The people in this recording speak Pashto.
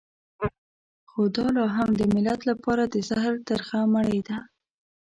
خو دا لا هم د ملت لپاره د زهر ترخه مړۍ ده.